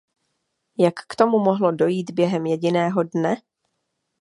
Jak k tomu mohlo dojít během jediného dne?